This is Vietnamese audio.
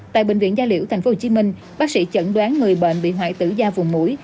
tại bệnh viện gia liễu tp hcm bác sĩ chẩn đoán người bệnh bị hoại tử da vùng mũi